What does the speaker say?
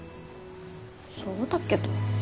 そうだけど。